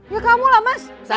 ya kamu lah mas